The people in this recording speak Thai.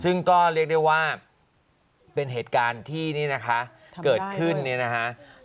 ซึ่งก็เรียกได้ว่าเป็นเหตุการณ์ที่นี่นะคะเกิดขึ้นเนี่ยนะคะ